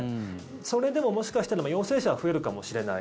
それでも、もしかしたら陽性者は増えるかもしれない。